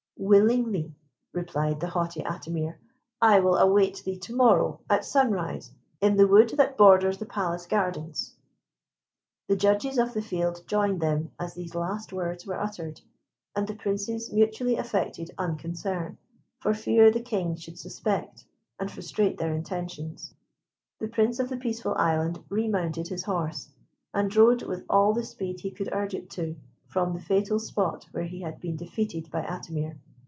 "Willingly," replied the haughty Atimir. "I will await thee to morrow at sunrise in the wood that borders the palace gardens." The Judges of the Field joined them as these last words were uttered, and the Princes mutually affected unconcern, for fear the King should suspect and frustrate their intentions. The Prince of the Peaceful Island remounted his horse, and rode with all the speed he could urge it to, from the fatal spot where he had been defeated by Atimir.